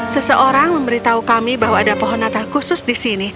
seseorang memberitahu kami bahwa ada pohon natal khusus di sini